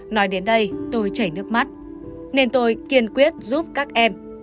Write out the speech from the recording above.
nói đến đây tôi chảy nước mắt nên tôi kiên quyết giúp các em